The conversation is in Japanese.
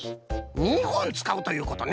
２ほんつかうということね。